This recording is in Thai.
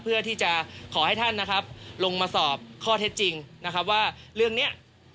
เพื่อที่จะขอให้ท่านนะครับลงมาสอบข้อเท็จจริงนะครับว่าเรื่องนี้